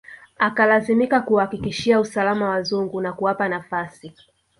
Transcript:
Akalazimika kuwahakikishia usalama wazungu na kuwapa nafasi